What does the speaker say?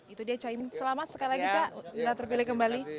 itu dia caimin selamat sekali lagi cak sudah terpilih kembali